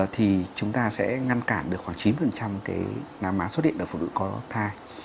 thì chúng ta sẽ ngăn cản được khoảng chín mươi nám án xuất hiện ở phụ nữ có thai